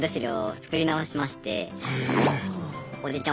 おじいちゃん